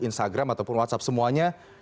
instagram ataupun whatsapp semuanya